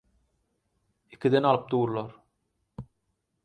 Ikiden alyp durlar.